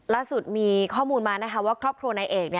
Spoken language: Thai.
ล่าสุดมีข้อมูลมานะคะว่าครอบครัวนายเอก